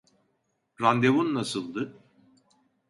Randevun nasıldı?